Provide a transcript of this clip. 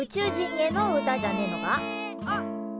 あっ。